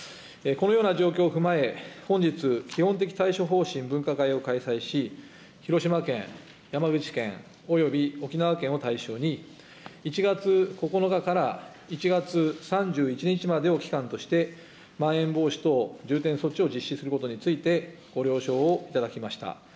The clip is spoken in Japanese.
このような状況を踏まえ、本日、基本的対処方針分科会を開催し、広島県、山口県および沖縄県を対象に、１月９日から１月３１日までを期間として、まん延防止等重点措置を実施することについてご了承をいただきました。